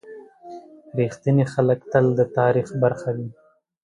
• رښتیني خلک تل د تاریخ برخه وي.